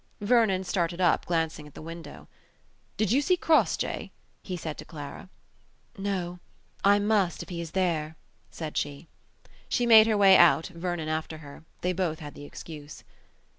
Vernon started up, glancing at the window. "Did you see Crossjay?" he said to Clara. "No; I must, if he is there," said she. She made her way out, Vernon after her. They both had the excuse.